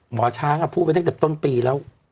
หมอช้างพูดไปตั้งแต่ต้นปีแล้ว